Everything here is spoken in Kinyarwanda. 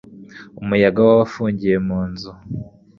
Umuyaga wabafungiye mu nzu.